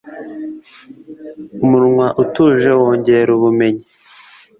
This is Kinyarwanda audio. umunwa utuje wongera ubumenyi